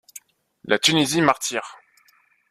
La Tunisie martyre.